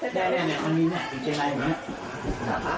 แดงอันนี้แดงอันนี้